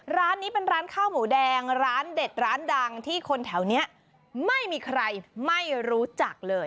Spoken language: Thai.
ร้านนี้เป็นร้านข้าวหมูแดงร้านเด็ดร้านดังที่คนแถวนี้ไม่มีใครไม่รู้จักเลย